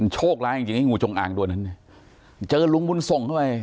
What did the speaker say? โชคล้ายจริงจริงงูจงอ่างตัวนั้นเจอลุงบุญส่งด้วย